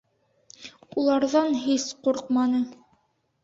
Уларҙан һис ҡурҡманы.